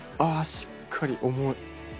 しっかり重い。